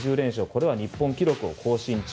これは日本記録を更新中。